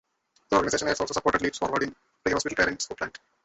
The organisation has also supported leaps forwards in prehospital care in Scotland.